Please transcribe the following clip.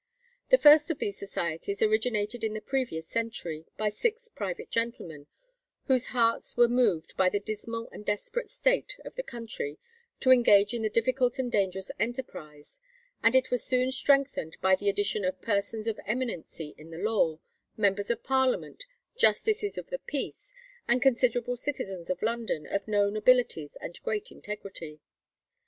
The first of these societies originated in the previous century by six private gentlemen, whose hearts were moved by the dismal and desperate state of the country "to engage in the difficult and dangerous enterprise;" and it was soon strengthened by the addition of "persons of eminency in the law, members of Parliament, justices of the peace, and considerable citizens of London of known abilities and great integrity."